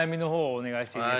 お願いします。